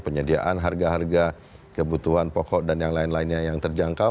penyediaan harga harga kebutuhan pokok dan yang lain lainnya yang terjangkau